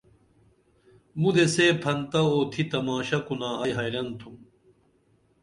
مُدے سے پھنتہ اُوتھی تماشہ کُنا ائی حیرن تُھم